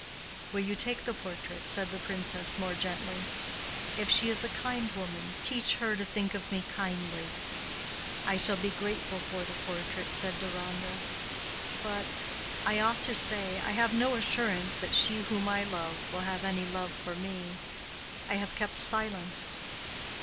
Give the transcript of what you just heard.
"Will you take the portrait?" said the Princess, more gently. "If she is a kind woman, teach her to think of me kindly." "I shall be grateful for the portrait," said Deronda, "but—I ought to say, I have no assurance that she whom I love will have any love for me. I have kept silence."